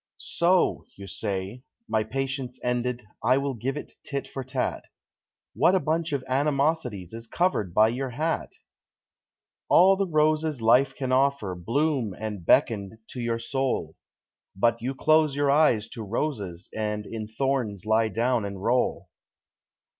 "So," you say, "my patience ended, I will give it tit for tat." What a bunch of animosities is covered by your hat! All the roses life can offer bloom and beckon to your soul, But you close your eyes to roses and in thorns lie down and roll.